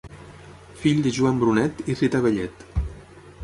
Fill de Joan Brunet i Rita Bellet.